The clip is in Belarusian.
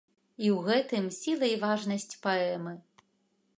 І ў гэтым сіла і важнасць паэмы.